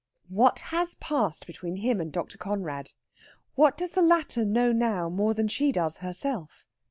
What has passed between him and Dr. Conrad? What does the latter know now more than she does herself?